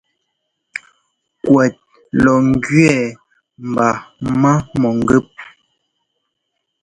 Kuɛt lɔ njẅi mba má mɔ̂ngɛ́p.